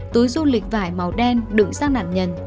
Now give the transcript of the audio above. túi du lịch vải màu đen đựng sang nạn nhân